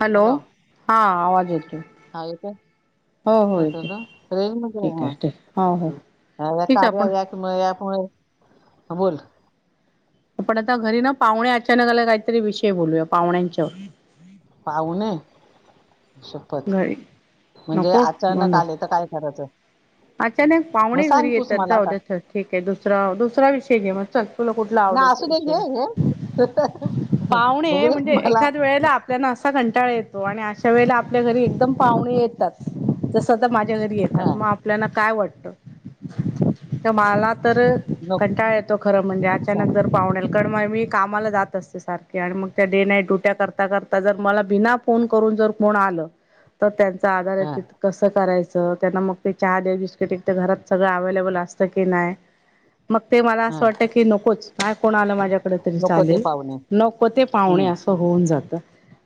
Hello, हां आवाज येतोय. [unintelligible] हो हो [unintelligible] तु येते ठीक आहे ठीक हो हो ठीक आहे आपण म यामुळे, बोल आपण आता घरी ना पाहुणे अचानक आले, काहीतरी विषय बोलूया पाहुण्यांच्यावर पावने शपथ, घरी म्हणजे नको अचानक म्हणून आले तर काय करायचं? हा. अचानक मग पाहुणे सांग घरी तूच येतात मला आता जाऊद्या ठीक आहे, दुसरा, दुसरा विषय घे मग चल तुला कुठला आवडेल ना तो असू दे विषय घे. घे बघू पाहुणे, दे म्हणजे मला एखाद वेळेला आपल्याना अस असा कंटाळा येतो आणि अशा वेळेला आपल्या घरी एकदम पाव्हणे येतात, जस तत माझ्या घरी येतात, हा मग आपल्याना काय वाटतं तर माला तर नको कंटाळ येतो, खरं म्हणजे सांग अचानक जर पावनेल करमाय मी कामाला जात असते सारखे आणि मग त्या डे नाईट डुट्या करता करता जर मला भिना फोन करून जर कोण आल, तर त्यांचा आधार आहे हा तिथं कसं करायचं, त्यांना मग ते चहा दे बिस्किट एक तर घरात सगळं अवे्लेबल असतं की नाय. मग ते मला हा असं वाटतं, की नकोच काय कोण आलं माझ्याक कड तरी नको ते चालेल, पाहुणे नको ते पावणे हम्म अस होऊन जातं,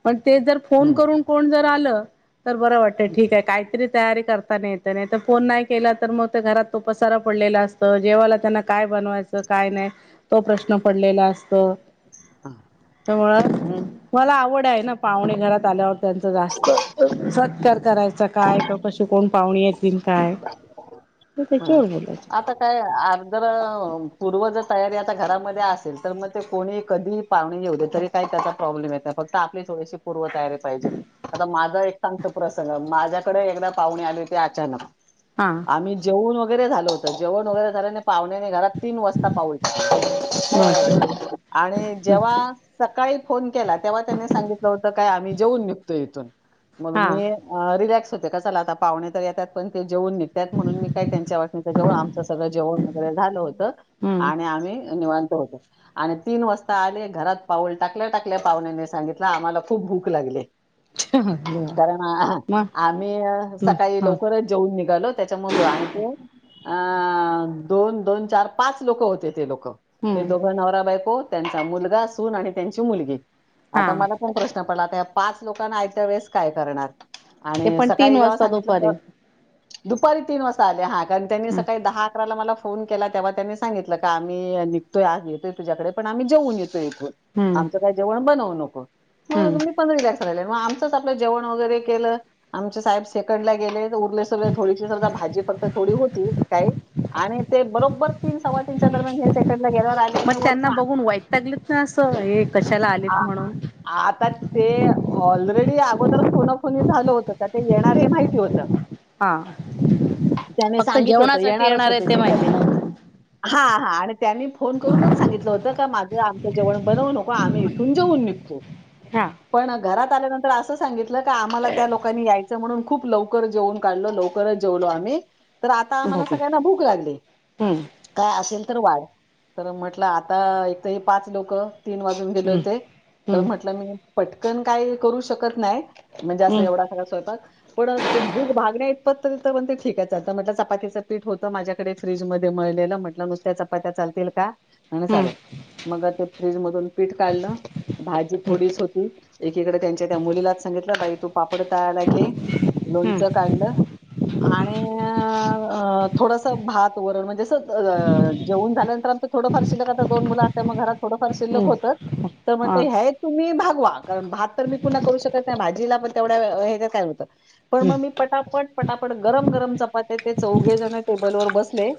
पण ते जर फोन हम्म हम्म करून कोण जर आलं तर बरं वाटतंय, ठीक आहे काहीतरी तयारी करताना येते, नाही तर फोन नाही केला तर मग ते घरात तो पसारा पडलेला असतं, जेवायला त्यांना काय बनवायचं, काय नाही तो प्रश्न पडलेला असतं. तमुळात, हम्म. मला आवड आहे ना पाहुणे घरात आल्यावर त्यांचं जास्त सत्कार करायचा काय, का कशी कोण पाहुणी ये तीन काय, मग हं त्याच्यावर बोलायचं. आता काय अर् जर पूर्व जर तयारी आता घरामध्ये असेल तर मग ते कोणीही कधीही पाहणे येऊ दे तरी काही त्याचा प्रॉब्लेम येत नाही, फक्त आपली थोडीशी पूर्व तयारी पाहिजे. आता माझा एक सांगते प्रसंग, माझ्याकडे एकदा पाहुणे आले होते, अचानक हा आम्ही जेवूण वगैरे झालं होतं. जेवण वगैरे झाल्याने पाहण्याने घरात तिन वाजता पा बापरे! [unintelligible] आणि जेव्हा सकाळी फोन केला, तेव्हा त्यानी सांगितलं होतं काय आम्ही जेवून निघतो इथून, मग हा मी अ रिलॅक्स होते, का चला आता पाव्हणे तर येतात. पण ते जेवून निघतायत म्हणून मी काय त्यांच्या वाटणीचं जेवण, आमचं सगळं जेवण वगैरे झालं होतं. हम्म. आणि आम्ही निवांत होतो. आणि तीन वाजता आले घरात पाऊल टाकल्या टाकल्या पाहुण्यांनी सांगितलं आम्हाला खूप भूक लागलीये. देवा कारण मग आम्ही मग सकाळी हा लव करच जेवून निघालो त्याच्यामुळे आणि ते अ दोन दोन चार पाच लोक होते ते लोक. ते हम्म दोघं नवरा बायको त्यांचा मुलगा सून आणि त्यांची मुलगी हा आता मला प्रश्न पडला त्या पाच लोकांना आयत्या वेळेस काय करणार ते आणि पण तीन सकाळी जेव्हा वाजता सांगितलं दुपारी तेव्हा दुपारी तीन वाजता आले हा कारण त्यांनी हम्म सकाळी दहा अकराला मला फोन केला तेव्हा त्यांनी सांगितलं का आम्ही निघतोय आज येतोय तुझ्याकडे पण आम्ही जाऊन येतोय इथून. हम्म आमचं काय जेवण बनवू नको मग हम्म. मी मग मी रिलेक्स झाले. मग आमचंच आपलं जेवण वगैरे केलं आमचे साहेब सेकंड ला गेले. उरलं सुरलं थोडीशी च भाजी फक्त थोडी होती काय आणि ते बरोबर तीन सव्वा तीनच्या दरम्यान हे सेकंडला गेल्यावर आले मग आणि वरून त्यांना आ- बघून वैतागली [unintelligible] हे कशाला आलेत आ- म्हणून. आता ते ऑलरेडी अगोदर फोनाफोनी झालं होतं तर ते येणार हे माहिती होत. हां. त्याने सांगितलं होत येणारच येणार आहे होते ते घरी. माहिती नव्हतं. हा हा आणि त्यांनी फोन करूनच सांगितलं होतं का माझं आमचं जेवण बनवू नको आम्ही इथून जेऊन निघ तो. हां. पण घरात आल्यानंतर असं सांगितलं की आम्हाला त्या लोकांनी यायचं म्हणून खूप लवकर जेवुण काढलो लवकरच जेवलो आम्ही तर आता आम्हाला भोपी सगळ्यांना भूक लागली. हम्म काय असेल तर वाढ तर म्हटलं आता एक तर हे पाच लोक तीन वाजून गेले हम्म होते तर हम्म म्हटलं मी पटकन काय करू शकत नाही. म्हणजे असं एवढा हम्म सगळा स्वयंपाक पण दुध भात [unintelligible] पण ते ठीक आहे चालतं आ म्हटलं चपातीच पीठ होतं माझ्याकडे फ्रीज मध्ये मळलेलं म्हटलं नुसत्या चपात्या चपात्या चालतील का म्हणले चालेल मग ते फ्रीज मधून पीठ काढलं. भाजी हम्म थोडीच होती एकीकडे त्यांच्या त्या मुलीलाच सांगितलं ताई तू पापड ताळायला घे. हम्म लोणचं काढलं. आणि थोडसं भात वरण म्हणजे असं जेवून झाल्यानंतर आमचं थोडंफार शिल्लक आता दोन मुल असल्यामुळं मग घरात थोडंफार शिल्लक हम्म होत तर हा म्हटलं ह्या त तुम्ही भागवा कारण भात तर मी पुन्हा करू शकत नाही भाजीला पण तेवढ्या हेच्यात काय होतं पण मग मी- हम्म पटापट, पटापट गरम, गरम चपात्या ते चौघेजण टेबल वर बसले.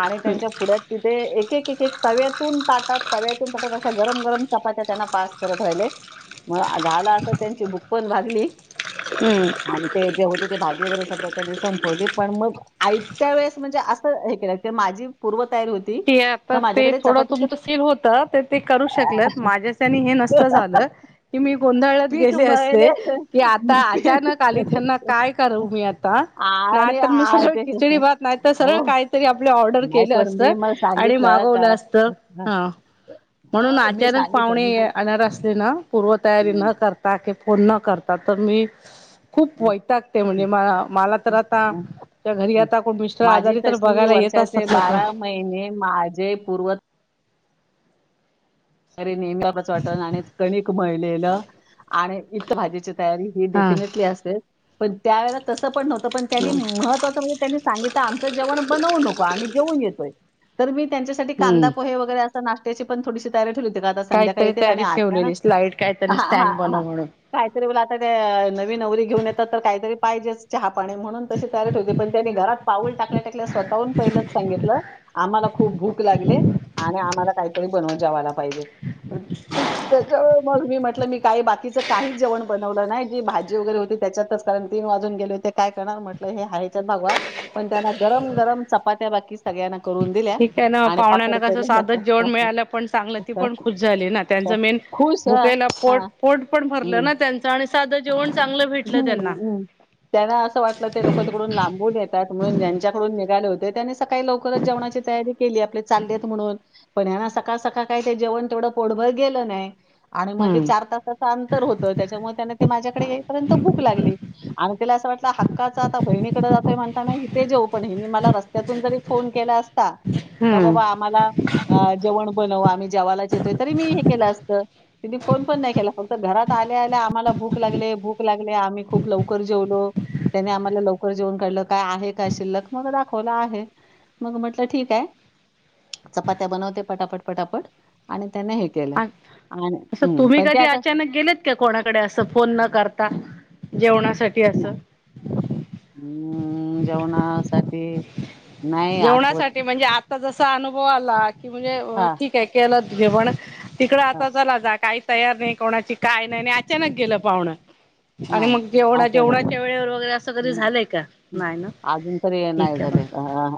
आणि त्यांच्या पुढ्यात तिथे एक, एक, एक तव्यातून ताटात तव्यातून ताटात अशा गरम, गरम चपात्या त्यांना पास करत राहिले मग झाल आता त्यांची भूक पण भागली. हम्म... आणि ते जे होत ते भाजी वगैरे समजा त्यांनी संपवली पण मग आयत्या वेळेस म्हणजे असं हे केलं माझी पूर्वतयारी होती. कि का आता ते माझ्याकडे थोडं चपातीचं तुमचं स्किल होत तर ते करू शकलेत माझ्याच्यांनी हे नसत झालं. कि मी गोंधळत पीठ गेले असते मळले की आता पीठ अचानक आलीत ह्यांना काय करू मी आता आणि नाहीतर मग आ- सरळ ते खिचडी भात नाही तर सरळ हो काय तरी आपलं ऑर्डर नाही केलं पण असत. मी मग आणि सांगितलं का मागवलं असत. हं... म्हणून अं, मी अचानक सांगितलं मी पाहुणे जे- आणार असले ना पूर्वतयारी हं, न करता फोन न करता तर मी खूप हं, वैतागते हं, म्हणजे म मला तर आता हं, घरी हं. आता कोण मिस्टर माझी आजारी तर तशी बघायला येत वर्षाचे असतात लोक. बारा महिने माझे पूर्वत तरी नेम्या पच वाटण आणि कणिक मळलेलं, आणि इत भाजीची तयारी ही हा. डेफिनेटली असतेच,, पण त्यावेळेला तसं पण नव्हतं, पण त्यांनी मह तसं म्हणजे त्यांनी सांगितलं आमच जेवण बनवू नको, आम्ही जेऊन येतोय,, तर तर मी त्यांच्यासाठी कांदा हम्म पोहे वगैरे असं नाशत्याची पण थोडीशी तयारी ठेली आता संध्याकाळी काहीतरी येतील आणि तयारी अचानक,, ठेवलेलीस लाईट काहीतरी हा स्नॅक हा बनव म्हणून. काहीतरी आता ते, नवी नवरी घेऊन येतात तर काहीतरी पाहिजेच चहा पाणी म्हणून तशी तयारी ठेवते पण त्यानी घरात पाऊल टाकल्या टाकल्या स्वतःहून पहिलेच सांगितलं,, आम्हाला खूप भूक लागलीये, आणि आम्हाला काहीतरी बनवून जेवायला पाहिजे,, तू त्यज्या मग मी म्हटलं मी काही बाकीचं काही जेवण बनवलं नाही, जी भाजी वगैरे होती त्याच्यातच, कारण तीन वाजून गेले होते काय करणार म्हटलं हे हाय ह्याच्यात भागवा,, पण त्यांना गरम गरम चपात्या बाकी सगळ्यांना करून दिल्या. ठीक आहे ना,, आणि पापड पाहुण्यांना कसं साधच जेवण मिळालं पण चांगलं ते पण तळले खुश झाले ना, त्यांच मेन, खुश हा भुकेला पोट हा पोट पण भरलं ना त्यां आणि साधं जेवण चांगलं हं, भेटलं त्यांना. हं. त्यांना असं वाटलं ते लोकं तिकडून लांबून येतायत, म्हणून ज्यांच्याकडून निघाले होते त्यांनी सकाळी लवकरच जेणाची तयारी केली, आपले चाललेत म्हणून पण सकाळ सकाळ काय ते जेवण तेवढं पोटभर गेलं नाही. आणि मध्ये हम्म. चार तासाचं अंतर होतं,, त्याच्यामुळे त्यांना ते माझ्याकडे येईपर्यंत भूक लागली. आणि त्याला असं वाटलं हक्काचं आता बहिणीकडे जातोय म्हणताना हिथे जेऊ, पण हेनी मला रस्त त्यातून जरी फोन केला असता, का हम्म बाबा आम्हाला, अ जेवण बनवा आम्ही जेवायलाच येतोय, तरी मी हे केलं असतं. तिने फोन पण नाही केला, फक्त घरात आल्या आल्या आम्हाला भूक लागले भूक लागले आम्ही खूप लवकर जेवलो त्यांनी आम्हाला लवकर जेवून काढलं, काय आहे काय शिल्लक? मग दाखवलं आहे. मग म्हटलं ठीक आहे, चपात्या बनवते पटापट पटापट, आणि त्याना हे केलं. आणि असं हं, तुम्ही पण ते कधी आता अचानक गेलेत की कोणाकडे असं फोन न करता,, जेवणासाठी असं. अम् जेवणासाठी नाही आठवत. जेवणासाठी म्हणजे आ आता जसा अनुभव आला, की म्हणजे हां, ठीक आहे केलं जेवण, तिकडं हां. आता चला जा काही तयार नाही कोणाची काय नाही, आणी अचानक गेलं पाहुणं! आणि नाही मग जेवणा असं झालं. जेवणाच्या वेळेवर वगैरे असं कधी हं, झालंय का,, हं. नाही ना. अजून तरी नाही ठीक आहे झाले मग हा.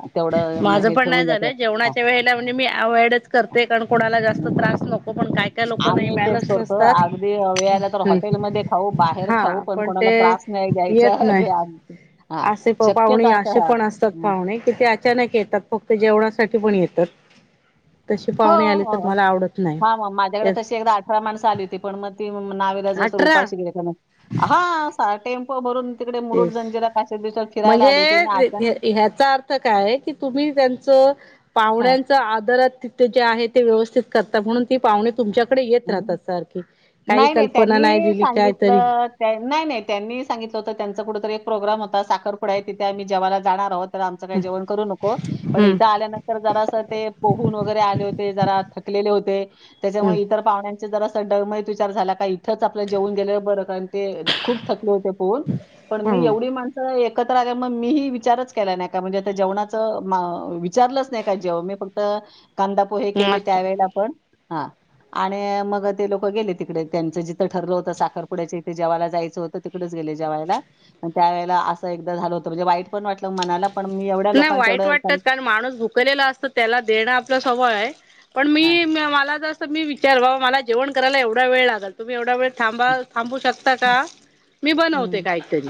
माझं पण नाही झालं्य, जेवणाच्या वेळेला म्हणजे मी अवइडच करते कारण कोणाला जास्त हां. त्रास नको पण काय त्या लोकांनाही आम्ही तेच मॅनर्स करतो. नसतात,, अगदी वेळ आला तर हम्म, हॉटेलमध्ये खाऊ, बाहेर हा खाऊ, हा पण कोणाला ते,, त्रास नाही द्यायचा येत नाही. हे आमचं हां. असे प शक्यतो पाहुणे, असं असे हां. पण असतात मग पाहुणे, किती अचानक येतात, फक्त जेवणासाठी पण येतात. तशी पाहुणे आले तर मला आवडत नाही हा मग माझ्याकडे ते तशी अठरा माणसं आली होती, पण मग ती नावीलाज जसं तर अठरा उपाशी गेले परत. हां. हा टेम्पो भरून तिकडे मुरड जंजिरा काश दिवसात फिरायला आली होति ना ते याचा अर काय, की तुम्ही त्यांच हां. पाहुण्यांचा आदराती ते जे आहे ते व्यवस्थित करतात म्हणून ती पाहणे. तुमच्याकडे येत हं. राहत सारखी काही नाही, कल्पना नाही त्यांनी दिली कायतरी. सांगितलं नाही नाही त्यांनी होतं त्यांचा कुठंरी प्रोग्राम होता साखरपुड आहे तिथे आम्ही जेवायला जाणार आहोत. तर आमचं काही जेवण करू नको पण हम्म इथं आल्यानंतर. तर जरास ते पोहून वगैरे आले होते जरा थकलेले होते हम्म त्याच्यामुळे इतर. पाहण्या जर अस डळमत विचार झाला काही. इथच आपल्या जेऊन गे बरं कारण ते खूप थकले होते पोहून पण मी एवढी हम्म माणसं. त एकत्र आल्या मग मीही विचारच केला नाही का म्हणजे जेणाच म वि ''--'' विचारलंच नाही का जेव्हा मी फक्त कांदा पोहे केले मस्त त्यावेेळेला आपण हा, आणि मग ते लोक गेले त्यांचं जिथं ठरलं होतं. साखरपुड्याच्या इथे जेवाला जायचं होतं. तिकडेच गेले जेवायला त्या वळे अस एक झालं होत. म्हणजे वाईट पण वाट मनाला. पण मी एवढं. नाही लोकांचं वाईट कारण माणूस भू''--'' भुकेलेला असतं त्याला देणं आप सवय आहे पण मी मला जसं. तर मी विचार बाबा मला जेवण करायला एवढा वेळ लागलं. तुम्ही एवढा वेळ थांबा थांबू शकता का मी बनवते हम्म काहीतरी.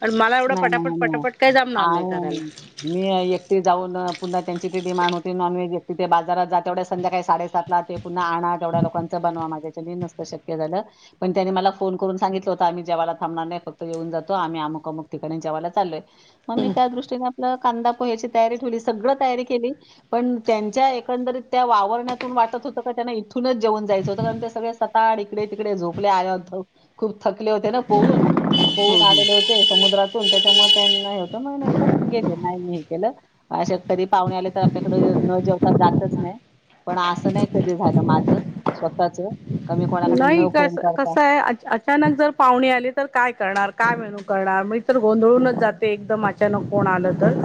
कारण मला एवढं नाही पटापट नाही नाही पटापट काही जमणार नाही. आणि करायला ''मी एकटी जाऊन पुन्हा त्यांची ते डिमांड होती. नॉनव्हेज एकटी ते बाजारात जात तेवढ्या संध्याकाळी साडेसात ला ते. पुन्हा आणा तेवडा लोकांचा बनवा माझ्याच्या नसत शक्य झालं. पण त्यां मला फोन करून सांगितलं होता आम् जव्हाला थबणार नाही फक्त. येऊन जातो आम्ही अमुकमुक ठिकाणी जेयला चालोय मग मी त्या दृष्टीन. कांदा पोह्याची तयारी ठेवली सगळं तयारी केली. पण त्यांच्या एकंदरीत त्या वावरण्यातून वाटत होतं. का त्यांना इथूनच जेऊन जायचं होतं कारण ते सगळ्या. सता इकडे तिकडे झोपले आद् खूप थकले होते ना पोहून. होऊन आलेले होते समुद्रातून त्याच्यामुळे त्यांना होत मग नंतर गेले नाही मी हे केलं. आशात तरी पाहुणे आले तर आपल्याकडे न जेवता जातच नाही. पण असं नाही कधी झालं माझ स्वतःच. का मी कोणाकडे नाही न कस फोन करता कसं आहे आच आच. अचानक जर पाहुणे आले तर करणार काय मेनू करणार मग तर गोंधळूनच जाते एकदम अशी. अचानक कोण हम्म, आलं तर.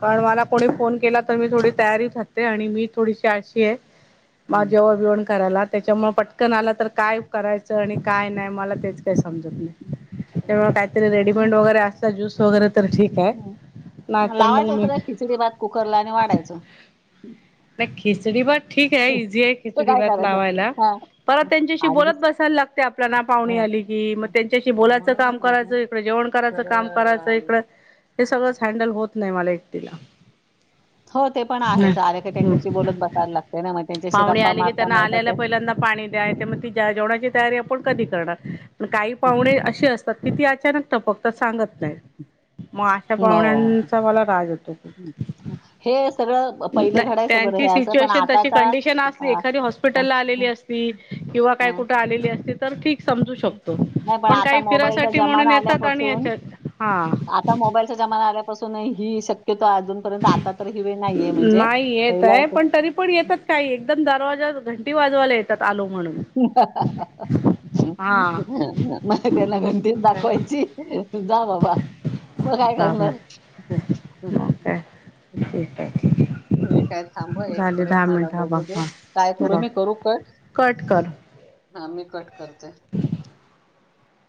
कारण मला कोणी फोन केला तर मी थोडी तयारी करते आणि मी थोडीशी आळशी आहे. मग हम्म, जेव्हा बिवण करायला त्याच्यामुळे पटकन आलं तर काय करायचं आणि काय नाही मला तेच. ते समजत नाही त्यामुळे काहीतरी रेडीमेड असतात ज्यूस वगैरे तर ठीक. आहे नाही हम, तर मग लावायचं सगळं मी खिचडी भात कुकरला आणि वाढायच. नाही खिचडी भात ठीक आहे इझी आहे तो खिचडी काय भात करायचं लावायला. हा परत मग त्यांच्याशी बोलत अगदीच बसायला लागत. ते आपल्या ना हा, पाहुणी आली मग हा. त्यांच्याशी नाही बोलायचं म्हणूनच काम बोलते करायचं इकडं जेवण करायचं तर काम करायचं इकडं. हे सगळंच हँडल होत नाही मला एकटीला. हो ते पण आहे आले का हम्म त्यांच्याशी बोलून बसायला लागते ना मग त्यांच्याशी पाहुणे गप्पा आले की मारता मारता आल्याला ते. त्यांना पाणी द्या जेवणाची तयारी आपण कधी करणार काही पाहुने अशे असतात. किती अचानक टपकतात सांगत नाही मग अशा हो पाहुण्यांचा मला राग येतो. हं. हे सगळं बप ''--'' नाय त्यांची सिच्युएशन तशी कंडिशन अ, असली एखादी अ, हॉस्पिटलला अ, आलेली असली. किंवा अ, काय कुठे आलेली असली. तर ठीक समजू शकतो नाही पण आता काही फिरासाठी म्हणून येतात आणि येतात. आंता मोबाईलचां जमांना आल्यांपासून ही शक्यंता अजूंन आंता ही वेळं नाहींये म्हणजे नाही येत पहिलां आहे असं पण तरी पणं येतांत कांहीं एकदंम दरवांजा घंटी वाजवांयला येतांत आलो म्हणूंन हं हं हां त्यांना घंटी दाखवांयची जां बाबां मगं कायं बाबर करणारं मग काय [unintelligible] [unintelligible] ठीक आहे थांब एक झाले मिनिटं दहा मलां मिनिट हा बघ बघूं दे हा कायं करूं बघ मी करूं कट कायं कर हां मी कंट करते